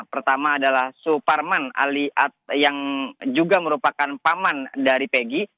pertama adalah suparman yang juga merupakan paman dari pegi